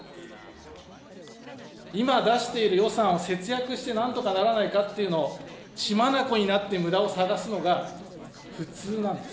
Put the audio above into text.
今出している予算を節約してなんとかならないかっていうのを、血まなこになってむだを探すのが普通なんです。